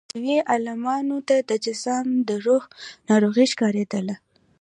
عیسوي عالمانو ته جذام د روح ناروغي ښکارېدله.